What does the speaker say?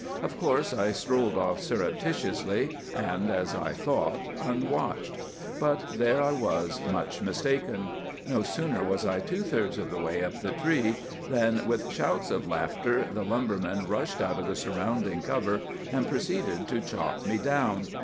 Of course I strolled off surreptitiously, and, as I thought, unwatched. But there I was much mistaken. No sooner was I two thirds of the way up the tree than, with shouts of laughter, the lumbermen rushed out of the surrounding cover, and proceeded to chop me down.